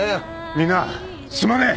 みんなすまねえ！